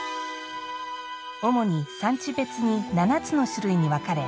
主に、産地別に７つの種類に分かれ